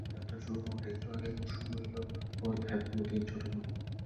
যাত্রা শুরু হওয়ার একটু আগে কুসুম বলিল, ওই দ্যাথ মতি, ছোটবাবু।